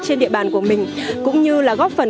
trên địa bàn của mình cũng như là góp phần